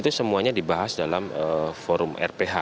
itu semuanya dibahas dalam forum rph